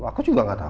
aku juga gak tahu